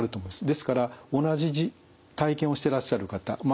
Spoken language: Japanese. ですから同じ体験をしてらっしゃる方まあ